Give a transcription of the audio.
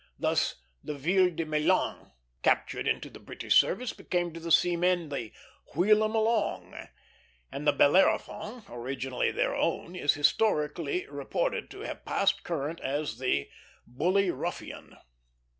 Thus the Ville de Milan, captured into the British service, became to their seamen the "Wheel 'em along;" and the Bellerophon, originally their own, is historically reported to have passed current as the "Bully Ruffian."